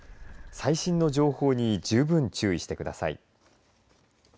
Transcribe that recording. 最新の情報に十分注意してください。